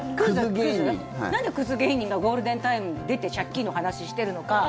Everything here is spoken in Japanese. なんでくず芸人がゴールデンタイムに出て借金の話してるのか。